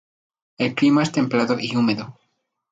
El clima es templado y húmedo.